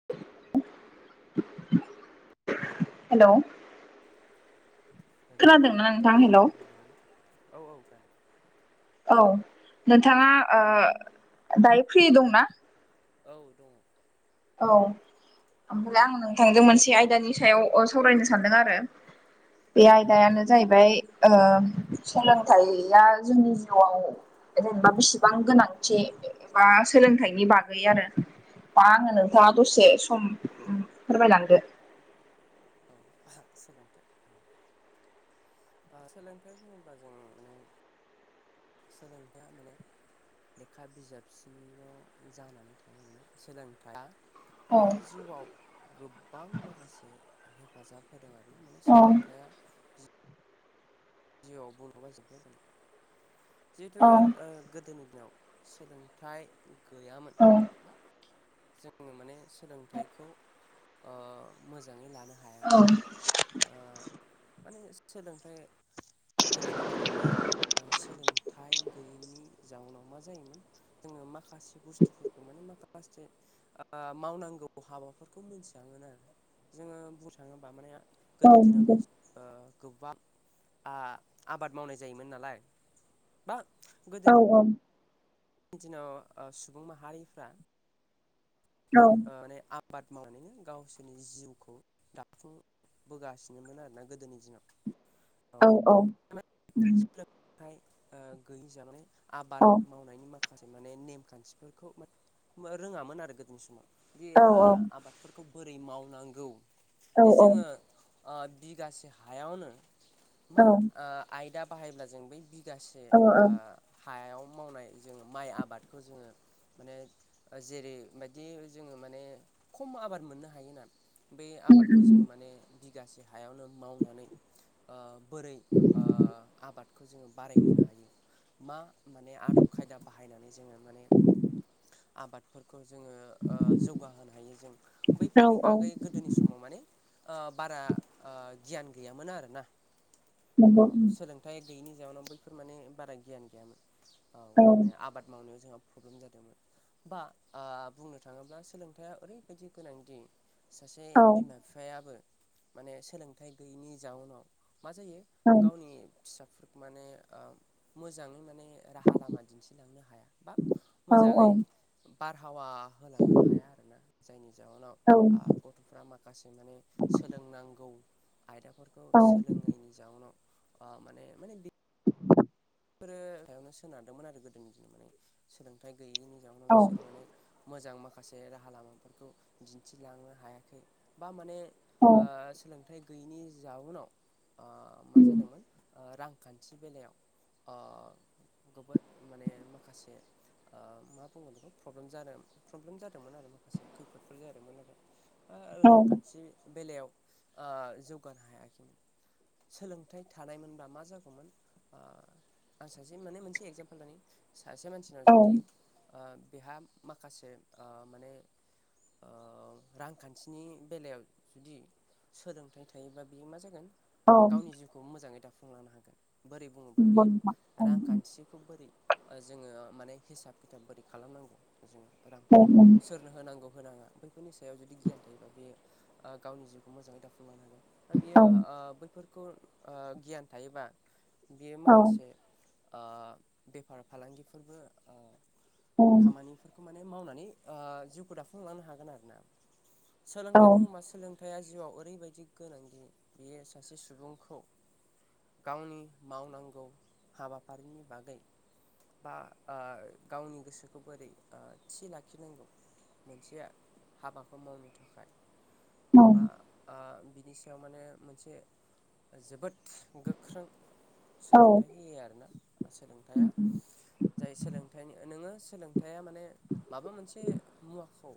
[inaudible] हेल'। Hello hello खोनायसै माथो hello औ औ खोनादों। औ नोंथाङा दायो फ्रि दंना? औ दङ। औ ओमफ्राय आं नोंथांजों मोनसे आयदानि सायाव ओ सावरायनो सानदों आरो बे आयदायानो जाहैबाय। ओ सोलोंथाइया जोंनि जिउआव जेनेबा बेसेबां गोनांथि बा सोलोंथाइनि बागै आरो बा आंङो। नोंथाङा दसे सम फोरमायलांदो। औ सोलोंथाइ। ओ सोलोंथाइ बुङोब्ला जों माने सोलोंथाइया माने। लेखा बिजाबसिनल' जानानै थायो माने सोलोंथाइया। माने जिउआव गोबां माखासे। हेफाजाब होदों आरोना माने सोलोंथाइया। जिउआव बुंनो थांङोबा जोबनो थांङा जिहेतु गोदोनि दिनाव। सोलोंथाइ गैयामोन बा। जोंङो माने सोलोंथाइखौ ओ मोजाङै लानो हा हायामोन ओ माने सोलोंथाइ गोदोनि दिनाव माने ओ सोलोंथाइ गैयैनि जाउनाव मा जायोमोन? जोंङो माखासे बुस्थुफोरखौ माने माखासे ओ मावनांगौ हाबाफोरखौ मोनथियामोन आरो जोंङो बुंनो थाङोबा माने गोदोनि दिनावथ' ओ गोबां आ-आबाद मावनाय जायोमोन नालाय बा गो औ दिनाव ओ सुबुं माहारिफ्रा जों माने आबाद मावनानैनो गावसोरनि जिउखौ दाफुं होगासिनोमोन आरोना गोदोनि दिनाव। औ सोलोंथाय ओ गैयि जाहोनाव आबाद माव नायनि माखासे माने नेम खान्थिफोरखौ रोङामोन आरो गोदोनि समाव। बे आ आबादफोरखौ बोरै मावनांगौ जे जोंङो ओ बिगासे हायावनो मा आयदा बाहायब्ला जों बै बि बिगासे ओ हायाव मावनाय जोंङो माइ आबादखौ जोंङो माने जेरै बायदि जोंङो माने खम आबाद मोननो हायोना बै आबादखौ जोंङो माने बिगासे हायावनो मावनानै ओ बोरै ओ आबादखौ जोंङो बारायहोनो हायो। मा माने आदब खायदा बाहायनानै जोंङो माने आबादफोर खौ जोंङो ओ जौगाहोनो हायो जों बैफोरनि बागै गोदोनि समाव माने ओ बारा ओ गियान गैयामोन आरोना औ सोलों थाय गैयिनि जाहोनाव बैफोर माने बारा गियान गैयामोन औ माने आबाद मावनायाव जोंहा प्रब्लेम जादोंमोन बा ओ बुंनो थाङोब्ला सोलोंथाइया ओरैबायदि गोनांदि सासे बिमा बिफायाबो माने सोलोंथाइ गैयैनि जाउनाव मा जायो गावनि फिसाफोरखौ माने ओ मोजाङै माने राहा लामा दिन्थिलांनो हाया बा औ औ बारहावा होलांनो हाया आरोना जायनि जाहोनाव आ ग' गथ'फ्रा माखासे माने सोलोंनांगौ आयदाफोरखौ सोलोङैनि जाउनाव ओ माने माने बे बेफोरो सायावनो सोनारदोंमोन आरो गोदोनि दिनाव माने सोलोंथाइ गैयैनि जाउनाव बिसोरो माने मोजां माखासे राहा लामाफोरखौ दिन्थिलांनो हायाखै बा माने ओ सोलोंथाइ गैयिनि जाउनाव ओ मा जादोंमोन ओ रांखान्थि बेलायाव अ जोबोद माने माखासे ओ मा बुङो बेखौ प्रब्लेम जादों प्रब्लेम जादोंमोन आरो माखासे खैफोदफोर जादोंमोन आरो। ओ रांखान्थि बेलायाव ओ जौगानो हायाखैमोन। सोलोंथाइ थानायमोनबा मा जागौमोन ओ आं सासे माने मोनसे एगजामपोल दानि सासे मानसिनाव जुदि ओ बेहा माखासे ओ माने ओ रांखान्थिनि बेलायाव जुदि सोलोंथाइ थायोबा बेयो मा जागोन? गावनि जिउखौ मोजाङै दाफुंलांनो हागोन बोरै बेयो रांखान्थि थिखौ बैरै जों माने हिसाब खिथाब बोरै खालामनांगौ जोो रांफोरखौ सोर होनांगौ होनाङा बैफोरनि सायाव जुदि गियान थायोबा बेयो ओ गावनि जिउखौ मोजाङै दाफुंलांनो हागोन। दा बियो ओ बैफोरखौ ओ गियान थायोबा बियो माखासे ओ बेफार फालांगिफोरबो ओ खामानि फोर माने मावनानै ओ जिउखौ दाफुंलांनो हागोन आरोना सोलोंथाइ बुङोबा सोलों थाया जिउआव ओरैबायदि गोनांदि बेयो सासे सुबुंखौ गावनि मावनांगौ हाबाफारिनि बागै बा ओ गावनि गोसोखौ बोरै ओ थि लाखिनांगौ। मोनसे हाबाखौ मावनो थाखाय बा ओ बिनि सायाव माने मोनसे जोबोद गोख्रों सोलोंथाइ होयो आरोना सोलोंथाइया जाय सोलोंथा नोङो थाइ माने माबा मोनसे मुवाखौ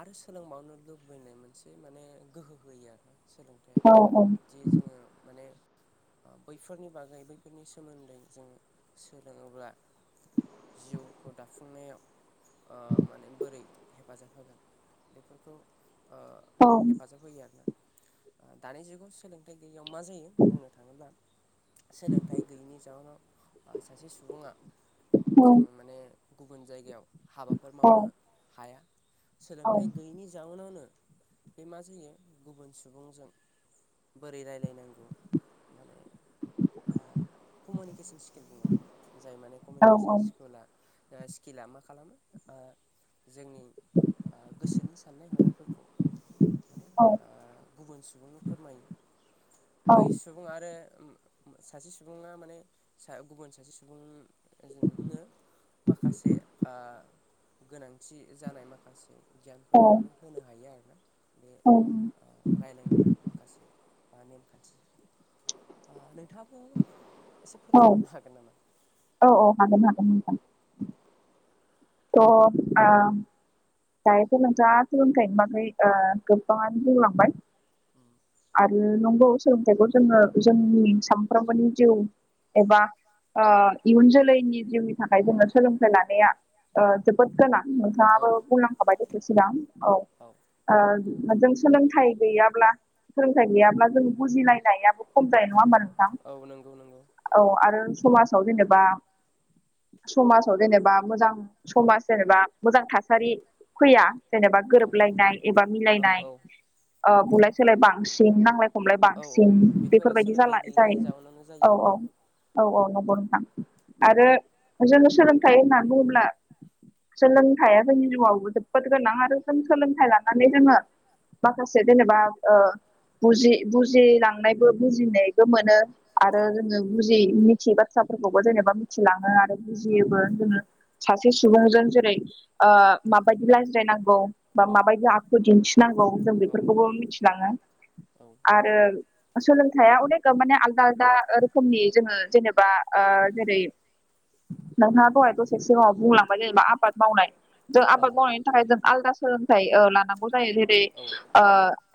आरो सोलोंबावनो लुबैनाय मोनसे माने गोहो होयो आरो ना। सोलोंथाइया जे जोङो माने ओ बैफोरनि ओ बागै बै बेफोरनि सोमोन्दै जोंङो सोलोङोब्ला जिउखौ दाफुंनायाव ओ माने बोरै हेफाजाब होगोन। बेफोरखौ ओ हेफाजाब होयो आरोना दानि जुगाव सोलोंथाइ थाय गैयि मा जायो बुंनो थाङोब्ला सोलों थाय गैयिनि जाहोनाव सासे सुबुङा जों माने गुबुन जायगायाव हाबाफोर मावनो हाया। सोलोंथाय गैयैनि जाउनावनो बे माजो गुबुन सुबुंजों बोरै राय्लायनांगौ माने ओ कमिउनिकेशन स्किला बुङो आरोन जाय माने कमिउनिकेसन स्किला स्किला मा खालामो ओ जोंनि ओ गोसोनि साननाय हनायफोरखौ माने ओ गुबुन सुबुंनो फोरमायो। औ सुबुं आरो उम सासे सुबुङा माने सा गुबुन सासे सुबुं जों नो माखासे ओ गोनांथि जानाय माखासे गियानफोरखौ माने होनो हायो आरोना बे ओ रायलायनाय माखासे ओ नेमखान्थि ओ नोंथाङाबो एसे फोरमायहरनो हागोन नामा? औ औ हागोन हागोन नोंथां। [unintelligible] आ दायोथ' नोंथाङा सोलोंथायनि बागै ओ गोबां बुंलांबाय। उम आरो नंगौ सोलोंथाइखौ जोङो जोंनि सामफ्रामबोनि जिउ एबा ओ इयुन जोलैनि जिउनि थाखाय जोंङो सोलोंथाइ लानाया ओ जोबोद गोनां नोंथाङाबो बुंलांखाबाय दसे सिगां औ ओ जों सोलोंथाइ गैयाब्ला सोलोंथाइ गैयाब्ला जों बुजिलायनायाबो खम जायो नङा होमबा नोंथां औ आरो समाजाव जेनेबा समाजाव जेनेबा मोजां समाज जेनेबा मोजां था सारि फैया जेनेबा गोरोबलायनाय एबा मिलायनाय। ओ बुलाय सोलाय बांसिन नांलाय खमलाय बांसिन बेफोरबायदि जाला जायो औ औ औ औ नंगौ नोंथां आरो जों सोलोंथाइ होननानै बुङोब्ला सोलोंथाइया जोंनि जिउआव जोबोद गोनां आरो जों सोलोंथाइ लानानै जोङो माखासे जेनेबा ओ बुजि बुजिलांनायबो बुजिनायबो मोनो। आरो जोङो बुजि मिथियै बाथ्राफोरखौबो जेनेबा मिथिलाङो आरो बुजियोबो जोङो। सासे सुबुंजों जेरै ओ माबायदि रायज्लायनांगौ? बा माबायदि आखु दिन्थिनांगौ? जों बेफोरखौबो मिथिलाङो आरो सोलोंथाइआ अनेकगा माने आलदा आलदा रोखोमनि जोङो जेनेबा ओ जेरै नोंथाङा दहाय दसे सिगाङाव बुंलांबाय जेनेबा आबाद मावनाय। जों आबाद मावनायनि थाखाय जों आलादा सोलोंथाइ ओ लानांगौ जायो जेरै ओ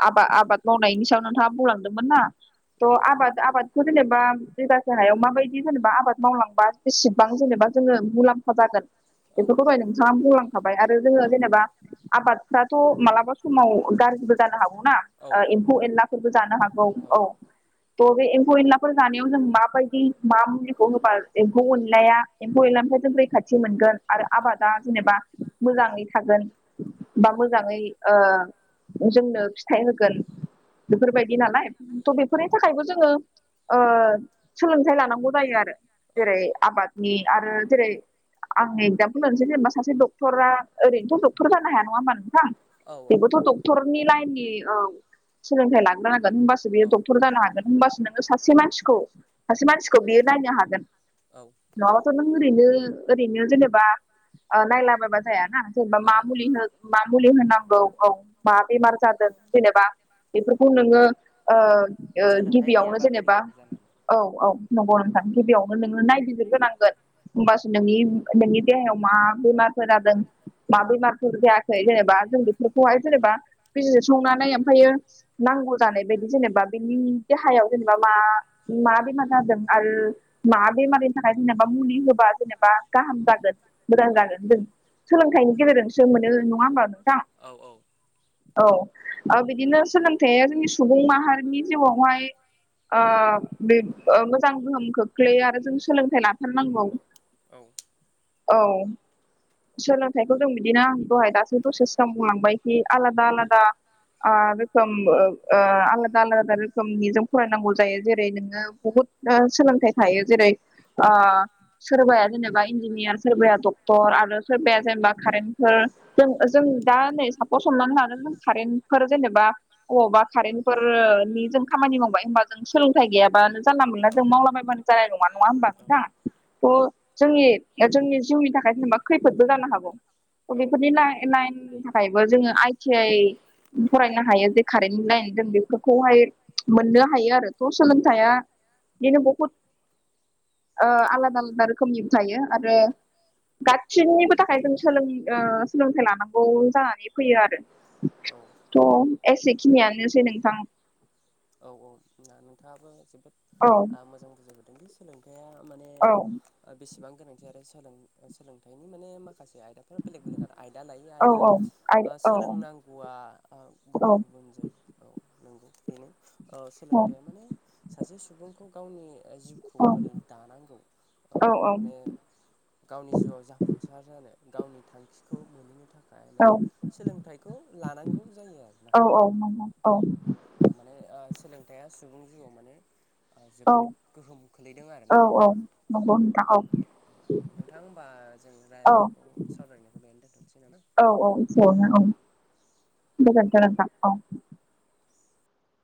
आबा-आबाद मावनायनि सायाव नोंथाङा बुंलांदोंमोन ना थ' आबाद आबादखौ जेनेबा बिघासे हायाव माबायदि जेनेबा आबाद मावलांबा बेसेबां जेनेबा जोङो मुलाम फा जागोन बेफोरखौ दहाय नोंथाङा बुंलांखाबाय आरो जोङो जेनेबा आबादफ्राथ' मालाबा समाव गाज्रिबो जानो हागौना ओ एम्फौ एनलाफोरबो जानो हागौ औ थ' बे एम्फौ एनलाफोर जानायाव जों माबायदि मा मुलिखौ होबा एम्फौ एनलाया एम्फौ एलानिमफ्राय जों रैखाथि मोनगोन। आरो आबादा जेनेबा मोजाङै थागोन बा मोजाङै ओ जोंनो फिथाइ होगोन बेफोरबायदि नालाय थ' बेफोरनि थाखायबो जोङो ओ सोलोंथाइ लानांगौ जायो आरो। जेरै आबादनि आरो जेरै आं एक्जामपोल होनोसै जेनेबा सासे डक टरा ओरैनोथ'डक्टर जानो हाया नङा होनबा नोंथां बेबोथ' डक टर नि लाइननि ओ सोलोंथाइ लाग्रोनांगोन होमबासो बेयो डक्टर जानो हागोन। होमबासो नोङो सासे मानसिखौ सासे मानसिखौ बियो नायनो हागोन। औ न'ङाबथ' नों ओरैनो ओरैनो जेनेबा ओ नायलाबायबा जायाना? जेनेबा मा मुलि हो मा मुलि होनांगौ औ मा बेमार जादों जेनेबा बेफोरखौ नोङो ओ ओ गिबियावनो जेनेबा औ औ नंगौ नोंथां गिबियावनो नोङो नायबिजिरग्रोनांगोन होमबासो नोंनि नोंनि देहायाव मा बेमारफोर जादों मा बेमारफोर जायाखै जेनेबा जों बेफोरखौहाय जेनेबा बिजिर संनानै ओमफ्रायो नांगौ जानाय बायदि जेनेबा बिनि देहायाव जेनेबा मा मा बेमार जादों आरो मा बेमारिनि थाखाय जेनेबा मुलि होबा जेनेबा गाहाम जागोन मोजां जागोन होन सोलोंथाइनि गेजेरजोंसो मोनो नङा होमबा नोंथां? औ औ। औ ओ बिदिनो सोलोंथाया जोंनि सुबुं माहारिनि जिउआवहाय ओ बे मोजां गोहोम खोख्लैयो आरो जों सोलोंथाइ लाथारनांगौ। औ। औ। सोलोंथाइखौ जों बिदिनो आं दहाय दासो दसे सिगां बुंलांबायखि आलादा आलादा ओ रोखोम ओ आलादा आलादा रोखोमनिजों फरायनांगौ जायो जेरै नोङो बहुद दा सोलोंथाइ थायो जेरै ओ सोरबाया जेनेबा इन्जिनियार सोरबाया डकट'र आरो सोरबाया जेनेबा कारेन्टफोर जों जों दा नै सापस हमनानै लादो कारेन्टफोर जेनेबा अबावबा कारेन्टफोरनि जों खामानि मावबाय होनोमबा जों सोलोंथाइ गैयाबा जानला मोनला जों मावलाबायबानो जानाय नङा नङा होनबा नोंथाङा थह जोंनि जोंनि जिउनि थाखाय जेनेबा खैफोदबो जानो हागौ बेफोरनि लाइन लाइननि थाखायबो जोङो आइ ति आइ फरायनो हायो जे कारेन्टनि लाइनजों बेफोरखौहाय मोननो हायो आरो थ' सोलोंथाइया बिदिनो बहुद ओ आलादा आलादा रोखोमनिबो थायो आरो गा सिनिबो थाखाय जों सोलों ओ सोलोंथाइ लानांगौ जानानै फैयो आरो। थ' एसेखिनियानोसै नोंथां। ना नोंथाङाबो जोबोद औ। मोजां बुजायबोदोंदि सोलोंथाइया माने बेसेबां गोनांथि आरो सोलों सोलोंथाइनि माने माखासे आयदा बेफोर बेलेग बेलेग आरो आयदा लायै आयदा ओ सोलोंनांगौआ ओ गुबुन गुबुन जायो। औ नंगौ बेनो। ओ सोलोंथाइया माने सासे सुबुंखौ गावनि ओ जिउ खौ बोरै दानांगौ औ माने गावनि जिउआव जाफुंसार जानो गावनि थांखि खौ मोनहैनो थाखाय माने सोलोंथाइखौ लानांगौ जायो आरोना। औ औ। [unintelligible] औ। औ माने ओ सोलोंथाइया सुबुं जिउआव माने ओ जोबोद गोहोम खोलैदों आरोना। नंगौ नोंथां औ। नोंथां होमबा जों रायज्लायनायखौ सावरायनायखौ बेहायनो दोन्थ'नोसै नामा? [unintelligible] गोजोनथों नोंथां। औ।